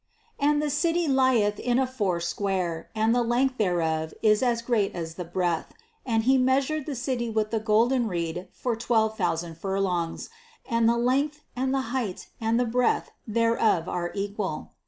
And the city lieth in a four square, and the length thereof is as great as the breadth ; and he meas ured the city with the golden reed for twelve thou sand furlongs; and the length and the height and the breadth thereof are equal.